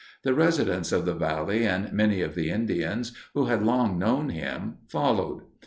The residents of the Valley and many of the Indians, who had long known him, followed.